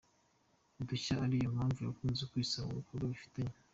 udushya ari nayo mpamvu bakunze kwisanga mu bikorwa bifitanye